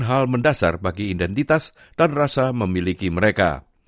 hal mendasar bagi identitas dan rasa memiliki mereka